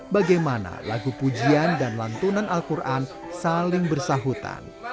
bagaimana lagu pujian dan lantunan al quran saling bersahutan